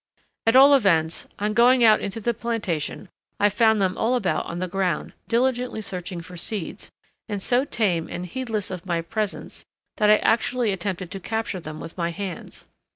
At all events, on going out into the plantation I found them all about on the ground, diligently searching for seeds, and so tame and heedless of my presence that I actually attempted to capture them with my hands.